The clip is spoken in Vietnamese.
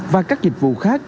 và các dịch vụ khác